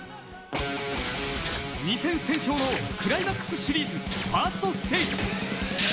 ２戦先取のクライマックスシリーズ、ファイナルステージ。